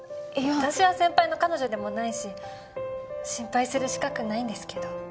私は先輩の彼女でもないし心配する資格ないんですけど。